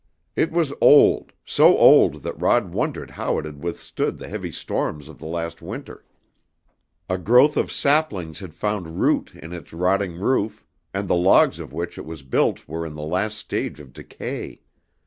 It was old, so old that Rod wondered how it had withstood the heavy storms of the last winter. A growth of saplings had found root in its rotting roof and the logs of which it was built were in the last stage of decay.